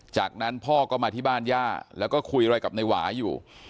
จากนั้นพ่อก็มาที่บ้านย่าแล้วก็คุยอะไรกับนายหวาอยู่